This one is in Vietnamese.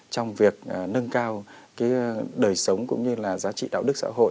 trong việc nâng cao đời sống cũng như là giá trị đạo đức xã hội